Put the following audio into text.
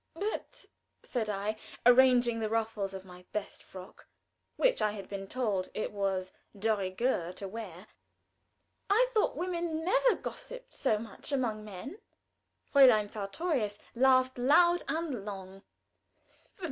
"But," said I, arranging the ruffles of my very best frock, which I had been told it was de rigueur to wear, "I thought women never gossiped so much among men." Fräulein Sartorius laughed loud and long.